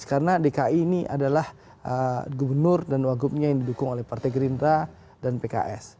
karena dki ini adalah gubernur dan wakupnya yang didukung oleh partai gerinda dan pks